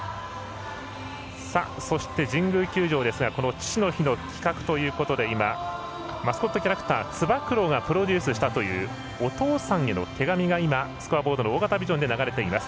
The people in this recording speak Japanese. そして、神宮球場ですが父の日の企画ということで今、マスコットキャラクターつば九郎がプロデュースしたという「お父さんへの手紙」がスコアボードの大型ビジョンで流れています。